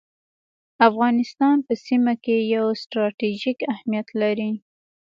افغانستان په سیمه کي یو ستراتیژیک اهمیت لري